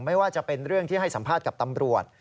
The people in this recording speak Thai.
ไม่ว่าจะเป็นเรื่องที่ให้สัมภาษณ์กับตำรวจ